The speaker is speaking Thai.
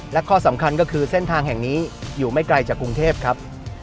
และข้อสำคัญก็คือเส้นทางแห่งนี้อยู่ไม่ไกลจากกรุงเทพครับ